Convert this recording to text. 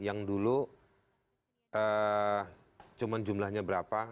yang dulu cuma jumlahnya berapa